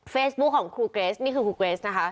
เฟสบุ๊คของครูเกรสนี่คือครูเกรสนะคะ